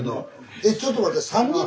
えちょっと待って。